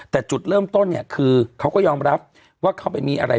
แต่จุดเริ่มต้นเนี่ยคือเขาก็ยอมรับว่าเขาไปมีอะไร